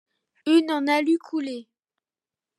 Une en alu coulé.